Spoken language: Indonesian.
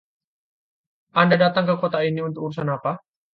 Anda datang ke kota ini untuk urusan apa?